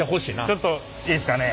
ちょっといいですかね？